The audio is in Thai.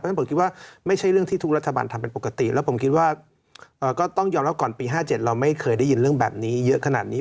ฉะผมคิดว่าไม่ใช่เรื่องที่ทุกรัฐบาลทำเป็นปกติแล้วผมคิดว่าก็ต้องยอมรับก่อนปี๕๗เราไม่เคยได้ยินเรื่องแบบนี้เยอะขนาดนี้